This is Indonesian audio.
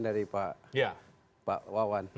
dari pak wawan